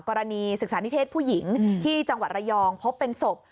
กรณีศึกษานิเทศผู้หญิงที่จังหวัดระยองพบเป็นศพ